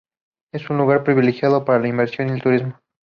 Es un lugar privilegiado para la inversión y el turismo.